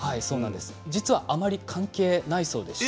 実は関係ないそうです。